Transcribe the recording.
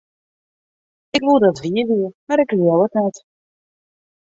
Ik woe dat it wier wie, mar ik leau it net.